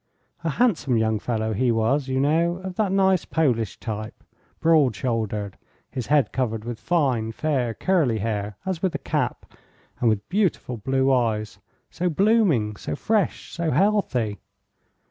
A handsome young fellow he was, you know, of that nice Polish type: broad shouldered, his head covered with fine, fair, curly hair as with a cap, and with beautiful blue eyes. So blooming, so fresh, so healthy.